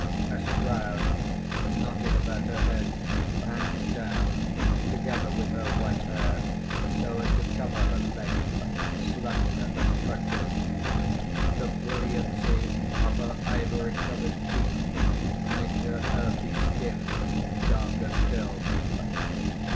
_ _A shroud, knotted about her head, hangs down, together with her white hair, so as to cover her legs, slender as crutches. The brilliancy of her ivory coloured teeth make her earthy skin darker still.